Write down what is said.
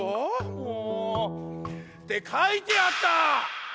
もう。ってかいてあった！